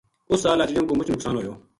اُس سال اجڑیاں کو مُچ نقصان ہویو